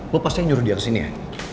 lo pasti yang nyuruh dia kesini ya